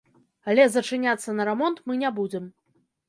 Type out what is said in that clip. Але зачыняцца на рамонт мы не будзем.